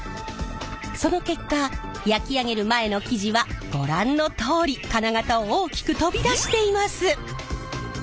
その結果焼き上げる前の生地はご覧のとおり金型を大きく飛び出しています！